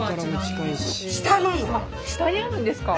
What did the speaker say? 下にあるんですか！